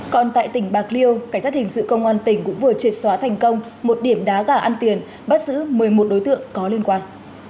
còn tại tỉnh bạc liêu cảnh sát hình sự công an tỉnh cũng vừa triệt xóa thành công một điểm đá gà ăn tiền bắt giữ một mươi một đối tượng có liên quan